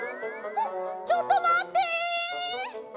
ちょっとまって！